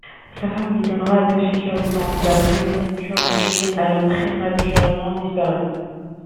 Sa femme lui donnera deux filles survivantes, la progéniture masculine ayant prématurément disparu.